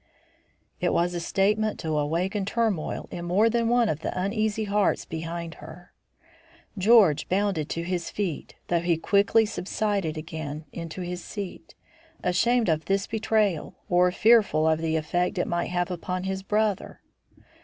It was a statement to awaken turmoil in more than one of the uneasy hearts behind her. George bounded to his feet, though he quickly subsided again into his seat, ashamed of this betrayal, or fearful of the effect it might have upon his brother.